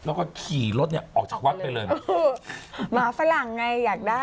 เออเพื่ออะไรเนี่ย